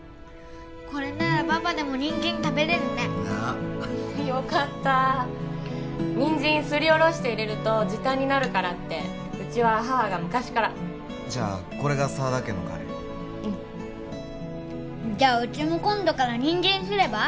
これならパパでもニンジン食べれるねなあよかったニンジンすりおろして入れると時短になるからってうちは母が昔からじゃあこれが沢田家のカレーうんじゃあうちも今度からニンジンすれば？